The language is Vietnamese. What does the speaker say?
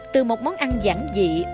từ một món ăn giảng dị